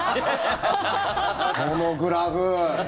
そのグラフ。